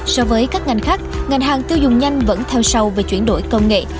so với các ngành khác ngành hàng tiêu dùng nhanh vẫn theo sâu về chuyển đổi công nghệ